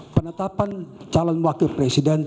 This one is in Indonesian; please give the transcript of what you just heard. penetapan calon wakil presiden